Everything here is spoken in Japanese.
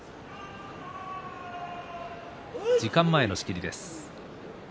時間前の仕切りです。